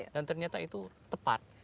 dan ternyata itu tepat